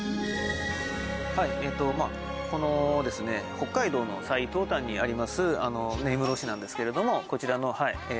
北海道の最東端にあります根室市なんですけれどもこちらのはい